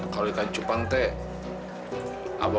nih ber rural nanti ya